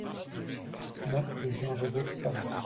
neuf rue Jean Joseph Pallu